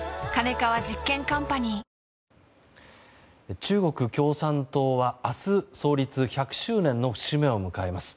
中国共産党は明日、創立１００周年の節目を迎えます。